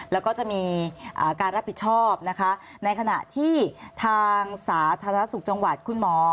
แล้วก็จะมีการรับผิดชอบนะคะในขณะที่ทางสาธารณสุขจังหวัดคุณหมอ